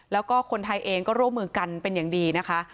แล้วก็คนไทยเองก็ร่วมมือกันเป็นอย่างดีนะคะ